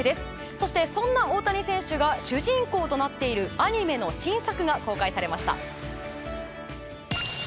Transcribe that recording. そして、そんな大谷選手が主人公となっているアニメの新作が公開されました。